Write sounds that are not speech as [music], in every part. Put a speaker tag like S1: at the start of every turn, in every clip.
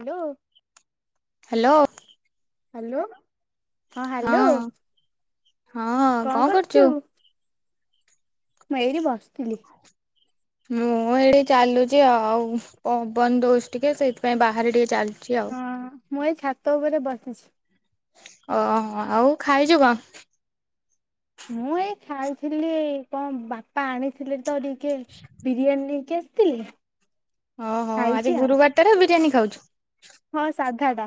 S1: Hello.
S2: Hello.
S1: Hello ହଁ hello କଣ କରୁଛୁ? ମୁ ଏରି ବସିଥିଲି।
S2: ମୁଁ ଏଇଠି ଚାଲୁଛି ଆଉ ପବନ ଦୋଷ ଟିକେ ସେଇଥିପାଇଁ ବାହାରେ ଟିକେ ଚାଲଛି ଆଛିି ଆଉ
S1: ହଁ ମୁଁ ଏଇ ଛାତ ଉପରେ ବସିଛି।
S2: ଓ ଆଉ ଖାଇଛୁ କଣ?
S1: ମୁଁ ଏଇ ଖାଇଥିଲି କଣ ବାପା ଆଣିଥିଲେ ତ ଟିକେ। ବିରିୟାନୀକି ଆସିଥିଲି।
S2: ଓ ହୋ
S1: ଖାଇଛି
S2: ଆଜି
S1: ଆଉ
S2: ଗୁରୁବାରଟାରେ ବିରିୟାନୀ ଖାଉଛୁ।
S1: ହଁ ସାଧାଟା।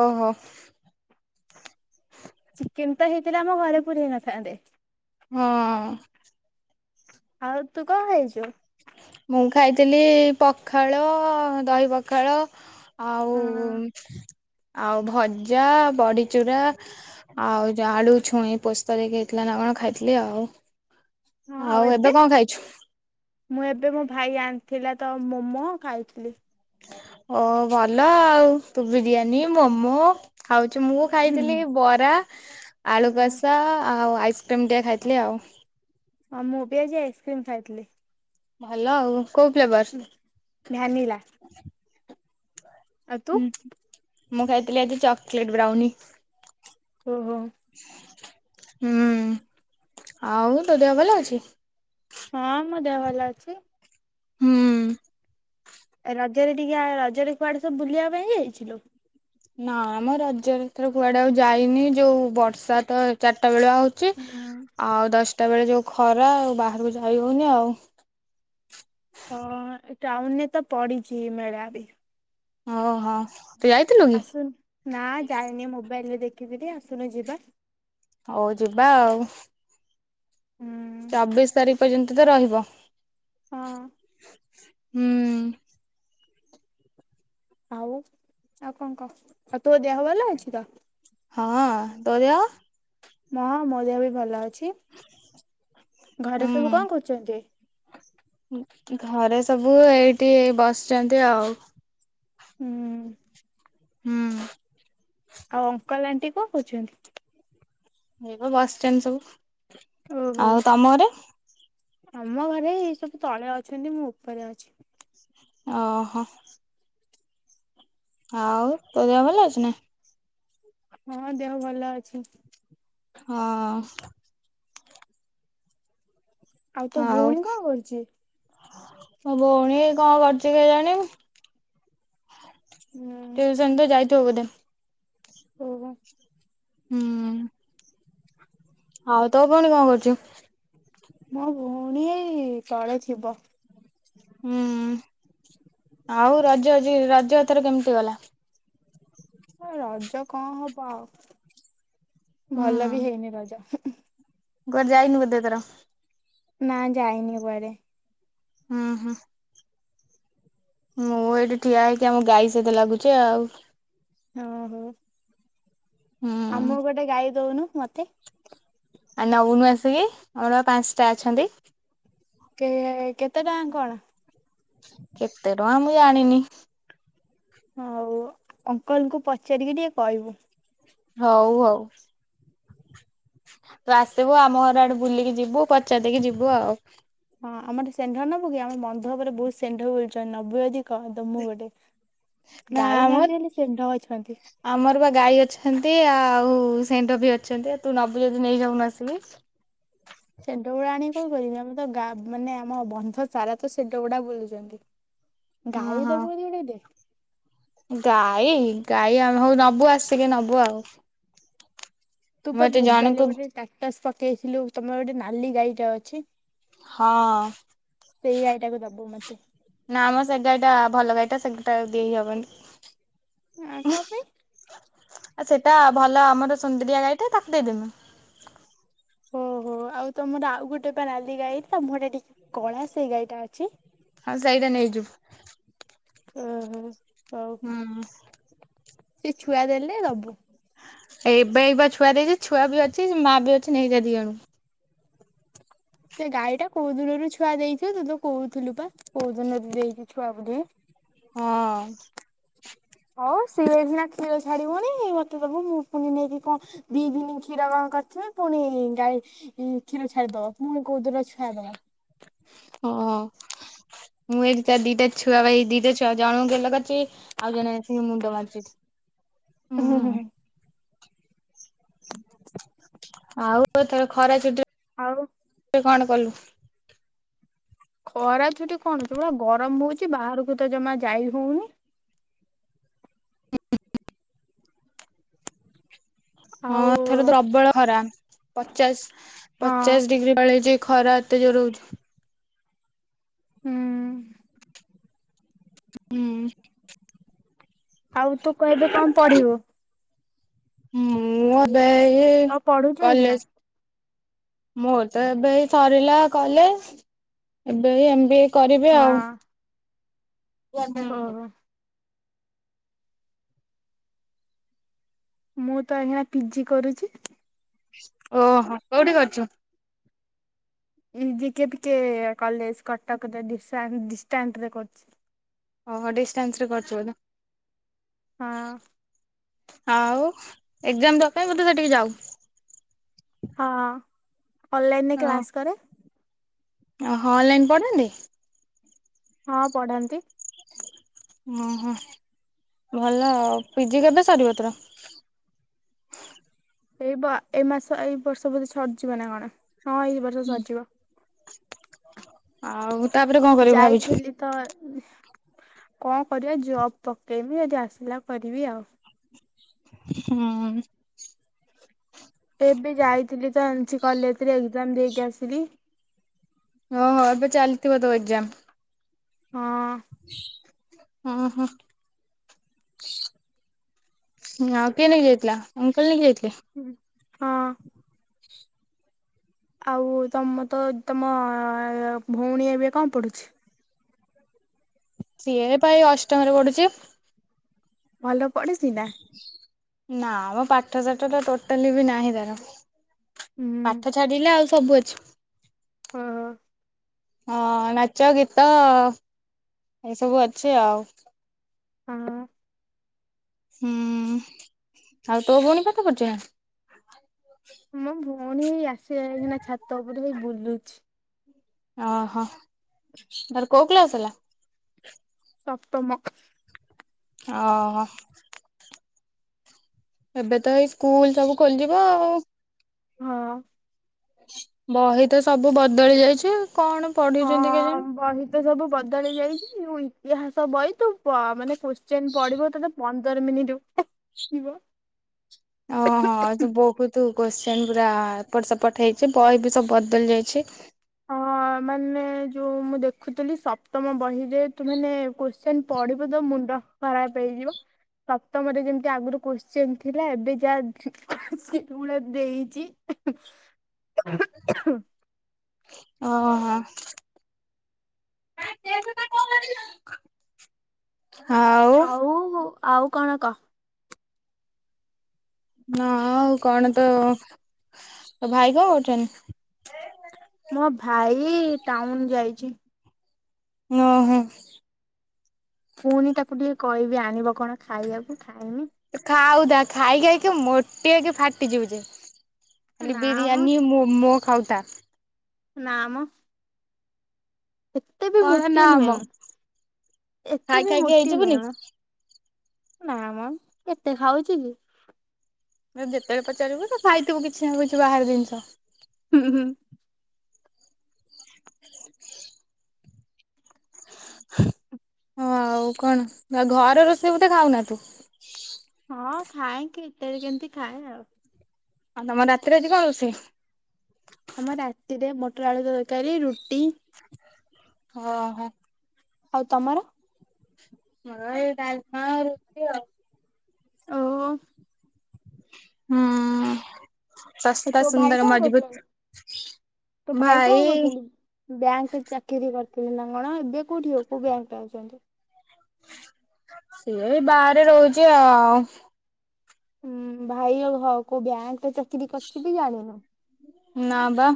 S2: ଓହୋ।
S1: ଚିକେନ ତ ହେଇଥିଲା ଆମ ଘରେ ପୁରୀ ହେଇନଥାନ୍ତେ।
S2: ହଁ।
S1: ଆଉ ତୁ କଣ ଖାଇଛୁ।
S2: ମୁଁ ଖାଇଥିଲି ପଖାଳ ଦହି ପଖାଳ। ଆଉ
S1: ହଁ
S2: ଆଉ ଭଜା ବଡ଼ିଚୂୁରା। ଆଉ ଯ ଆଡୁ ଛୁଇ ପୋସ୍ତରେ ହେଇଥିଲା ନା କଣ ଖାଇଥିଲି ଆଉ। ଆଉ ଏବେ କଣ ଖାଇଛୁ।
S1: ମୁଁ ଏବେ ମୋ ଭାଇ ଆଣିଥିଲା ତ ମୋମୋ ଖାଇଥିଲି।
S2: ଓ ଭଲ ଆଉ ତୁ ବିରିୟାନୀ, ମୋମୋ। ଖାଉଛି ମୁଁ ଖାଇଥିଲି ବରା ଆଳୁକଷା ଆଉ ଆଇସ୍କ୍ର ଟେମିକଏ ଖାଇଥିଲି ଆଉ।
S1: ହଉ ମୁଁ ବି ଆଜି ଆଇସ୍କ୍ରିମ ଖାଇଥିଲି।
S2: ଭଲ ଆଉ କୋଉ ଫ୍ଲେବର।
S1: ଭ୍ୟାନିଲା। ଆଉ ତୁ
S2: ହୁଁ ମୁଁ ଖାଇଥିଲି ଏଜି ଚକୋଲେଟ ବ୍ରାଉନୀ।
S1: ଓହୋ।
S2: ହୁଁ ଆଉ ତୋ ଦେହ ଭଲ ଅଛି।
S1: ହଁ ମୋ ଦେହ ଭଲ ଅଛି।
S2: ହୁଁ।
S1: ରଜରେ ଟିକେ ରଜରେ କୁଆଡେ ସବୁ ବୁଲିବା ପାଇଁ ଯାଇଥିଲୁ।
S2: ନା ଆମ ରାଜ୍ୟରେ ଥର କୁଆଡେ ଆଉ ଯାଇନି ଯୋଉ ବର୍ଷା ତ ଚାରିଟା ବେଳ ଆଉ ଛି ଆଉ ଦଶଟା ବେଳେ ଯଉ ଖରା ଆଉ ବାହାରକୁ ଯାଇ ହେଉନି ଆଉ।
S1: ହଁ ଟାଉନରେ ତ ପଡିଛି ମେଳା ବି।
S2: ଓହ।
S1: ଆସୁନ ନା ଜାଇନି ମୋବାଇଲରେ ଦେଖିଥିଲି ଆସୁନ ଯିବା।
S2: ହଉ ଯିବା ଆଉ।
S1: ହୁଁ।
S2: ଚବିଶ ତାରିଖ ପର୍ଯ୍ୟନ୍ତ ତ ରହିବ।
S1: ହଁ।
S2: ହୁଁ।
S1: ଆଉ ଆଉ କଣ କହ। ଆଉ ତୋ ଦେହ ଭଲ ଅଛି ତ?
S2: ହଁ ତୋ ଦେହ?
S1: ହଁ ମୋ ଦେହ ବି ଭଲ ଅଛି ଘରେ ସବୁ କଣ
S2: ହୁଁ
S1: କରୁଛନ୍ତି?
S2: ଘରେ ସବୁ ଏଇଠି ବସିଛନ୍ତି ଆଉ।
S1: ହୁଁ।
S2: ହୁଁ।
S1: ଆଉ ଅଙ୍କଲ ଆଣ୍ଟି କଣ କରୁଛନ୍ତି?
S2: ହେଇପା ବସିଛନ୍ତି ସବୁ।
S1: ଓହୋ
S2: ଆଉ ତମ ଘରେ?
S1: ଆମ ଘରେ ଏଇ ସବୁ ତଳେ ଅଛନ୍ତି ମୁଁ ଉପରେ ଅଛି।
S2: ଅ ହୋ। ଆଉ ତୋ ଦେହ ଭଲ ଅଛି ନା?
S1: ହଁ ଦେହ ଭଲ ଅଛି।
S2: ହଁ ଅଁ।
S1: ତୋ
S2: ଆଉ।
S1: ଭଉଣୀ କଣ କରୁଛି?
S2: ମୋ ଭଉଣୀ ଏ କଣ କରୁଛି କେଜାଣି
S1: ହୁଁ।
S2: ଜଣେତ ଯାଇଥବ ବଧେ।
S1: ଓହୋ।
S2: ହୁଁ। ଆଉ ତୋ ଭଉଣୀ କଣ କରୁଚି?
S1: ମୋ ଭଉଣୀ ଏଇ ତଳେ ଥିବ।
S2: ହୁଁ ଆଉ ରଜ ଆଜି ରଜଏଥର କେମିତି ଗଲା?
S1: ହ ରଜ କଣ ହବ ଆଉ ଭଲ ବି
S2: ହୁଁ।
S1: ହେଇନି ରଜ।
S2: କୁଆଡେ ଯାଇନୁ ବୋଧେ ଏଥର।
S1: ନା ଯାଇନି କୁଆଡେ।
S2: ହୁଁ ହୁଁ। ମୁଁ ଏଇଠି ଠିଆ ହେଇକି ଆମ ଗାଈ ସହିତ ଲାଗୁଛି ଆଉ।
S1: ଅ ହୋ।
S2: ହୁଁ।
S1: ଆମକୁ ଗୋଟେ ଗାଈ ଦଉନୁ ମତେ।
S2: ଆ ନଉନୁ ଆସିକି ଆମରପା ପାଞ୍ଚଟା ଅଛନ୍ତି।
S1: କେ କେତେ ଟଙ୍କା କଣ।
S2: କେତେ ଟଙ୍କା ମୁଁ ଜାଣିନି।
S1: ହଉ ଅଙ୍କଲଙ୍କୁ ପଚାରିକି ଟିକେ କହିବୁ।
S2: ହଉ ହଉ। ତୁ ଆସିବୁ ଆମ ଘର ଆଡେ ବୁଲିକି ଯିବୁ ପଚାରି ଦେଇକି ଯିବୁ ଆଉ।
S1: ହଁ ଆମର ସେଣ୍ଢ ନବୁ କି ଆମ ବନ୍ଧ ଉପରେ ବହୁତ ସେଣ୍ଢ ବୁଲୁଛନ୍ତି ନବୁ ଜଦି କହ ଦମୁ ଗୋଟେ।
S2: [inaudible]
S1: ଗାଈ
S2: ଆମ
S1: ନାହାନ୍ତି ହେଲେ ସେଣ୍ଢ ଅଛନ୍ତି।
S2: ଆମର ବା ଗାଈ ଅଛନ୍ତି ଆ ଆଉ ସେଣ୍ଢ ବି ଅଛନ୍ତି ତୁ ନବୁ ଯଦି ନେଇ ଯାଉନୁ ଆସିକି।
S1: ସେଣ୍ଢ ଗୁଡା ଆଣିକି କଣ କରିବି ଆମ ତ ଗା ମାନେ ଆମ ବନ୍ଧ ସାରା ତ ସେଣ୍ଢ ଗୁଡା ବୁଲୁଛନ୍ତି।
S2: ହଁ
S1: ଗାଈ ଦବୁ
S2: ହଁ
S1: ଜଦି ଗୁଟେ ଦେ।
S2: ଗାଈ ଗାଈ ଆମେ ହଉ ନବୁ ଆସିକି ନବୁ ଆଉ।
S1: ତୁ
S2: ମୁଁ
S1: ବା
S2: ଏଠି
S1: ମୋବାଇରେ
S2: ଜଣଙ୍କୁ
S1: ଗୋଟେ ଷ୍ଟାଟସ୍ ପକେଇଥିଲୁ ତମର ଗୋଟେ ନାଲି ଗାଈଟା ଅଛି? ସେଇ ଗାଈଟାକୁ ଦବୁ ମତେ
S2: ହଁ। ନା ଆମର ସେ ଗାଈ ଟା ଭଲ ଗାଈ ଟା ସେଟା ଦେଇ ହବନି।
S1: ଆ କଣ ପାଇଁ?
S2: ଆ ସେଇଟା ଭଲ ଆମର ସୁନ୍ଦରିଆ ଗାଈଟା ତାକୁ ଦେଇଦେମି,
S1: ଓହୋ ଆଉ ତମର ଆଉ ଗୋଟେ ବା ନାଲି ଗାଈ ତା ମୁହଁ ଟା ଟିକେ କଳା ସେଇ ଗାଈଟା ଅଛି
S2: ହଁ ସେଇଟା ନେଇଯିବୁ।
S1: ହଁ ହଉ।
S2: ହୁଁ।
S1: ସେ ଛୁଆ ଦେଲେ ଦବୁ।
S2: ଏ ଏବେ ଏ ଛୁଆ ଦେଇଛି ଛୁଆ ବି ଅଛି ମା ବି ଅଛି ନେଇ ଯା ଦି ଜଣ କୁ,
S1: ସେ ଗାଈ ଟା କୋଉ ଦିନରୁ ଛୁଆ ଦେଇଥୁ ତୁ ତ କହୁଥିଲୁ ବା କୋଉ ଦିନରୁ ଦେଇଛୁ ଛୁଆ ବୋଲି
S2: ହଁ।
S1: ହଉ ସିଏ ଏ ବିିନା କ୍ଷୀର ଛାଡିବନି ମତେ ତବୁ ମୁଁ ପୁଣି ନେଇକି କଣ ଦି ଦିନ କ୍ଷୀର କଣ କରିଥିବେ ପୁଣି ଗାଈ କ୍ଷୀର ଛାଡିଦବ ପୁଣି କଉ ଦୁନ ଛୁଆ ଦବ,
S2: ହଁ। ମୁଁ ଏଠି ତା ଦିଟା ଛୁଆ ଭାଇ ଦିଟା ଛୁଆ ଜଣକୁ ଗେଲକରୁଛି ଆଉ ଜଣେ ଏଇଠି ମୁଣ୍ଡ ମାରୁଚି ହୁଁ। ଆଉ ଏଥର ଖରା ଛୁଟିରେ
S1: ଆଉ,
S2: ତୁ କଣ କଲୁ?
S1: ଖରା ଛୁଟି କଣ ତୁ ପୁରା ଗରମ ହଉଛି ବାହାରକୁ ତ ଜମା ଯାଇ ହଉନି।
S2: ହ ହଁ
S1: ଆଉ
S2: ଏଥରତପ୍ରବଳ ଖରା ପଚାଶ
S1: ହଁ
S2: ପଚାଶ ଡିଗ୍ରୀ ପଳେଇଛି ଖରା ଏତେ ଜୋରରେ ହୋଉଛି।
S1: ହୁଁ।
S2: ହୁଁ।
S1: ଆଉ ତୁ କଣ ଏବେ କଣ ପଢିବୁ?
S2: ମୁଁ ଏବେ ଇଏ
S1: କଣ ପଢୁଛୁ ଏଇଖିଣା
S2: କଲେଜ ମୋର ତ ଏବେ ଏଇ ସରିଲା କଲେଜ ଏବେ ଏମ-ବି-ଏ କରିବି ଆଉ
S1: ହଁ
S2: ହୁଁ।
S1: ଓହୋ ମୁଁ ତ ଏଇଖିଣା ପିଜି କରୁଛି,
S2: ଓହୋ କୋଉଠି କରିଛୁ?
S1: ଏଇ ଜିକେପିକେ କଲେଜ କଟକରେ ଡିଷ୍ଟାଣ୍ଟ ରେ କରୁଛି,
S2: ଓ ହୋ ଡିଷ୍ଟାନ୍ସ ରେ କରୁଚୁ ବୋଧେ?
S1: ହଁ
S2: ଆଉ ଏକ୍ସାମ ଦବାପାଇଁ ବୋଧେ ସେଠିକି ଯାଉ,
S1: ହଁ ଅନଲାଇନରେ କ୍ଲାସ କରେ,
S2: ଓ ହଁ ଅନଲାଇନ୍ ପଢ଼ାନ୍ତି?
S1: ହଁ ପଢାନ୍ତି।
S2: ଓହୋ ଭଲ ଆଉ ପିଜି କେବେ ସରିବ ତୋର?
S1: ଏଇ ବ ଏଇ ମାସ ଏଇ ବର୍ଷ ବୋଧେ ସରିଯିବ ନା କଣ ହଁ ଏଇ ବର୍ଷ ସରିଯିବ।
S2: ଆଉ ତାପରେ କଣ କରିବୁ ଭାବିଛୁ?
S1: ଯାଇଥିଲି ତ କଣ କରିବା ଜବ୍ ପକେଇମି ଯଦି ଆସିଲା କରିବି ଆଉ,
S2: ହଁ।
S1: ଏବେ ଯାଇଥିଲି ତ ଏନସି କଲେଜରେ ଏକ୍ସମ୍ ଦେଇକି ଆସିଲି,
S2: ଓହୋ ଏବେ ଚାଲିଥିବ ତୋ ଏକ୍ଜାମ,
S1: ହଁ।
S2: ହଁ ହଁ। ଆଉ କିଏ ନେଇକି ଯାଇଥିଲା ଅଙ୍କଲ ନେଇକି ଯାଇଥିଲେ?
S1: ହଁ। ଆଉ ତମ ତ ତମ ଭଉଣୀ ଏବେ କଣ ପଡୁଛି।
S2: ସିଏପା ଏଇ ଅଷ୍ଟମରେ ପଢୁଚି।
S1: ଭଲ ପଢିଚି ନାଁ।
S2: ନାମ ପାଠଶାଠ ତ ଟୋଟାଲି ବି ନାହିଁ ତାର
S1: ହୁଁ
S2: ପାଠ [unintelligible] ଆଉ ସବୁ ଅଛି।
S1: ହଁ।
S2: ହଁ ନାଚ ଗୀତ ଏସବୁ ଅଛି ଆଉ।
S1: ହଁ।
S2: ହୁଁ ଆଉ ତୋ ଭଉଣୀ ପାଠପଢୁଚିନାଁ।
S1: ମୋ ଭଉଣୀ ଆସି ଲାଏଇକିନା ଛାତ ଉପରକୁ ବୁଲୁଚି।
S2: ଓହୋ ତାର କୋଉ କ୍ଲାସ ହେଲା।
S1: ସପ୍ତମ।
S2: ଓହୋ। ଏବେ ତ ଏଇ ସ୍କୁଲ ସବୁ ଖୋଲିଯିବ ଆଉ।
S1: ହଁ।
S2: ବହି ତ ସବୁ ବଦଳି ଯାଇଚି ଆଉ କଣ। ପଢୁଛନ୍ତି
S1: ହଁ
S2: କେଜାଣି?
S1: ବହି ତ ସବୁ ବଦଳି ଯାଇଚି ଇତିହାସ ବହି ତୁ ପ ମାନେ କୋଶ୍ଚେନ୍ ପଢିବ ତ ପନ୍ଦର ମିନିଟ [unintelligible] ଯିବ।।
S2: ଓଃ ହୋ। ହଁ ବହୁତ କୋଶ୍ଚେନ ପୁରା ଏପଟ ସେପଟ ହେଇଚି ବହି ବି ସବୁ ବଦଳି ଯାଇଛି।
S1: ହ ମାନେ ଯୋଉ ମୁଁ ଦେଖୁଥିଲି ସପ୍ତମ ବହିରେ ତୁ ମାନେ କଶ୍ଚେନ ପଢିବ ତ ମୁଣ୍ଡ ଖରାପ ହେଇଯିବ। ସପ୍ତମରେ ଯେମିତି ଆଗରୁ କୋଶ୍ଚେନ ଥିଲା ଏବେ ଯାହା [unintelligible] ଦେଇଚି। [unintelligible]
S2: ଓଃ ହୋ। [unintelligible] ହଉ।
S1: ଆଉ ହଉ ଆଉ କଣ କହ।
S2: ନା ଆଉ କଣ ତ ଭାଇ କଣ କରୁଚନ୍ତି।
S1: ମୋ ଭାଇ ଟାଉନ ଯାଇଚି।
S2: ଓଃ ହୋ।
S1: ପୁଣିି ତାକୁ ଟିକେ କହିବି ଆଣିବ କଣ ଖାଇବାକୁ ଖାଇମି।
S2: ଖାଉଥା ଖାଇ ଖାଇକି ମୋଟି ହେଇକି ଫାଟି ଯିବୁ ଯେ। ଖାଲି
S1: ନା ମ
S2: ବିରିୟାନି ମୋମୋ ଖାଉଥା।
S1: ନାଁ ମ। ଏତେ ବି
S2: କଣ
S1: ମୋଟି
S2: ନା
S1: ନୁହେଁ
S2: ଆମ
S1: ମୁ
S2: ଖାଇ
S1: ଏତେ ବି
S2: ଖାଇକି
S1: ମୋଟି
S2: ହେଇଯିବୁନି
S1: ନୁହେଁ ମ। ନା ମ କେତେ ଖାଉଚି କି।
S2: ଯେତେ ବେଳେ ପଚାରିବୁ ତ ଖାଇଥିବୁ କିଛି ନା କିଛି ବାହାର ଜିନିଷ।
S1: ହୁଁ ହୁଁ।
S2: ହଁ ଆଉ କଣ ଘର ରୋଷେଇ ବୋଧେ ଖାଉନା ତୁ।
S1: ହଁ ଖାଏ କେତେବେଳେ କେମିତି ଖାଏ ଆଉ।
S2: ହଁ ତମର ରାତିରେ ଆଜି କଣ ରୋଷେଇ।
S1: ଆମ ରାତିରେ ମଟର ଆଳୁ ତରକାରୀ ରୁଟି।
S2: ଓଃ ହୋ।
S1: ଆଉ ତମର।
S2: ହେଇ ଡାଲମା ରୁଟି ଆଉ।
S1: ଓ ହୋଉ।
S2: ହୁଁ ଉଁ ଉଁ ଶସ୍ତା
S1: ତୋ ଭାଇ
S2: ସୁନ୍ଦର
S1: କଣ କରୁଛନ୍ତି
S2: ମଜବୁତ ଭାଇ।
S1: ବ୍ୟାଙ୍କ ରେ ଚାକିରି କରିଥିଲ ନା କଣ? ଏବେ କୋଉଠି କୋଉ ବ୍ୟାଙ୍କ ରେ ଅଛନ୍ତି।
S2: ସିଏ ବାହାରେ ରହୁଛି ଆ ଆଉ।
S1: ହୁଁ ଭାଇ ଆଉ ହ କୋଉ ବ୍ୟାଙ୍କ ରେ ଚାକିରି କରିଛି ବି ଜାଣିନୁ।
S2: ନା ବା।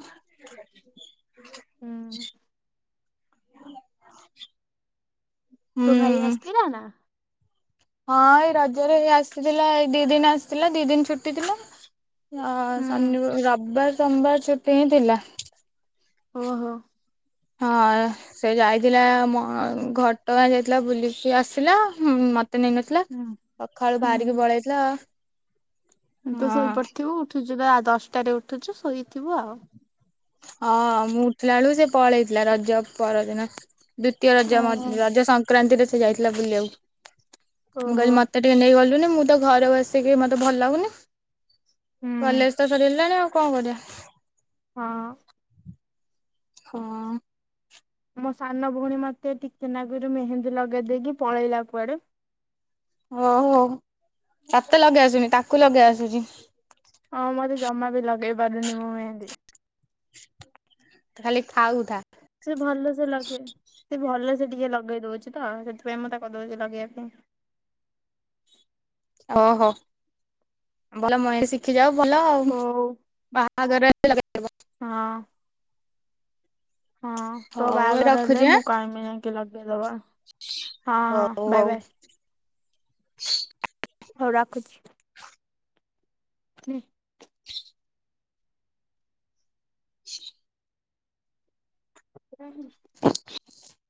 S1: ହୁଁ ଉଁ।
S2: [unintelligible] ହୁଁ
S1: ତୋ ଭାଇ ଆସିଥିଲା ନା?
S2: ହଁ ଏଇ ରଜରେ ଆସିଥିଲା ଏଇ ଦି ଦିନ ଆସିଥିଲା ଦି ଦିନ ଛୁଟି ଥିଲା। ହ
S1: ହୁଁ
S2: ଶନ ରବିବାର ସୋମବାର ଛୁଟି ହିଁ ଥିଲା।
S1: ଓଃ ହୋ।
S2: ହଁ ଅଁ। ସେ ଯାଇଥିଲା ମ ଘଟଗାଁ ଯାଇଥିଲା ବୁଲିକି ଆସିଲା ମତେ ନେଇନଥିଲା।
S1: ହୁଁ
S2: ସଖାଳୁ ବାହାରିକି
S1: ହୁଁ।
S2: ପଳେଇଥିଲା ଆଉ।
S1: ତୁ ଶୋଇପଡିଥିବୁ ଉଠୁଛୁ ନା ଦଶଟାରେ ଉଠୁଛୁ ଶୋଇଥିବୁ ଆଉ
S2: ହଁ ମୁଁ ଉଠିଲା ବେଳୁ ସେ ପଳେଇଥିଲା ରଜ ପରଦିନ ଦ୍ଵିତୀୟ ରଜ
S1: ଓହୋ
S2: ରଜ ସଂକ୍ରାନ୍ତିରେ ସେ ଯାଇଥିଲା ବୁଲିବାକୁ,
S1: ହୁଁ
S2: ମୁଁ
S1: ହଁ।
S2: କହିଲି ମତେ [unintelligible] ନେଇ ଗଲୁନି ମୁଁ ତ ଘରେ ବସିକି ମତେ ଭଲ ଲାଗୁନି କଲେଜ ତ ସରିଗଲାଣି ଆଉ କଣ କରିବା?
S1: ହଁ ଅଁ।
S2: ହଁ ଅଁ।
S1: ମୋ ସାନ ଭଉଣୀ ମତେ ଟିକେନାଗରୁ ମେହେନ୍ଦୀ ଲଗେଇ ଦେଇକି ପଳେଇଲା କୁଆଡେ
S2: ଓହୋ ତତେ ଲଗେଇ ଆସୁନି ତାକୁ ଲଗେଇ ଆସୁଛି।
S1: ହଁ ମତେ ଜମା ବି ଲଗେଇ ପାରୁନି ମୁଁ ଏତି
S2: ଖାଲି ଖାଉଥା।
S1: ସେ ଭଲ ସେ ଲଗେଇ, ସେ ଭଲ ସେ ଟିକେ ଲଗେଇ ଦଉଛି ତ ସେଥିପାଇଁ ମୁଁ ତା କହିଦଉଛି ଲଗେଇବା ପାଇଁ
S2: ଓହୋ, ଭଲ ମଇ ଶିଖି ଯାଉ ଭଲ ଆଉ
S1: ହଉ।
S2: ବା [unintelligible]
S1: ହଁ ହଁ ତୋ
S2: ହଉ
S1: ବାହାଘର ହେଲେ
S2: ରଖୁଛି ଆଁ
S1: ମୁଁ କହିବି ଯାଇକି ଲଗେଇଦବା ହଁ
S2: ହଉ
S1: ହଁ ବାଇ
S2: ହଉ।
S1: ବାଇ। ହଉ ରଖୁଛି। [unintelligible]
S2: [unintelligible]
S1: [unintelligible]
S2: [unintelligible]